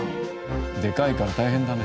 でかいから大変だね。